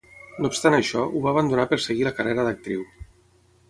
No obstant això, ho va abandonar per seguir la carrera d'actriu.